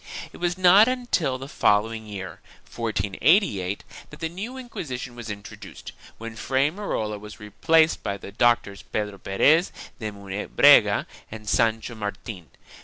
1 It was not until the following year, 1488, that the new Inquisi tion was introduced, when Fray Merola was replaced by the doctors Pedro Perez de Munebrega and Sancho Martin.